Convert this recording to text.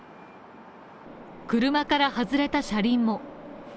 車から外れた車輪も。